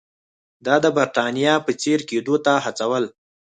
دا د برېټانیا په څېر کېدو ته هڅول.